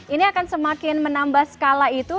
ini akan semakin menambah skala itu